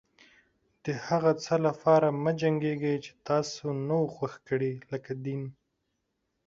د هغه څه لپاره مه جنګيږئ چې تاسې نه و خوښ کړي لکه دين.